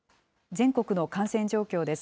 全国の感染状況です。